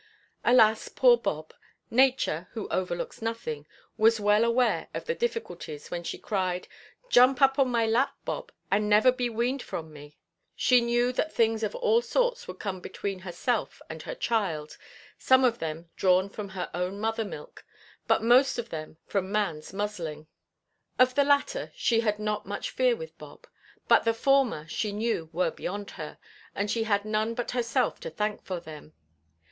Alas, poor Bob! Nature, who overlooks nothing, was well aware of the difficulties when she cried, "Jump up on my lap, Bob, and never be weaned from me." She knew that things of all sorts would come between herself and her child, some of them drawn from her own mother–milk, but most of them from manʼs muzzling. Of the latter she had not much fear with Bob; but the former, she knew, were beyond her, and she had none but herself to thank for them.